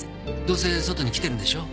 どうせ外に来てるんでしょ？